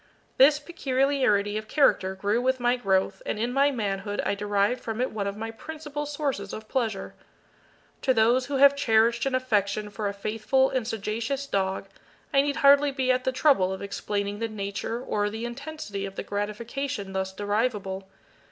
This peculiarity of character grew with my growth, and in my manhood I derived from it one of my principal sources of pleasure. To those who have cherished an affection for a faithful and sagacious dog, I need hardly be at the trouble of explaining the nature or the intensity of the gratification thus derivable.